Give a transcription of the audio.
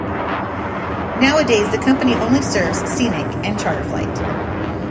Nowadays, the company only serves scenic and charter flight.